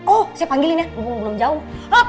oh saya panggilin ya mumpung belum jauh